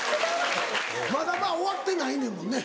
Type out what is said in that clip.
まだ終わってないねんもんね。